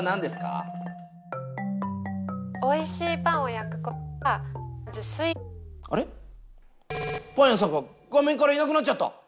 あれパン屋さんが画面からいなくなっちゃった！